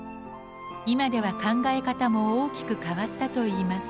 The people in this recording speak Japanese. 今では考え方も大きく変わったといいます。